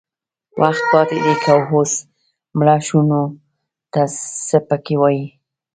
وخت پاتې دی که اوس مړه شو نو ته څه پکې وایې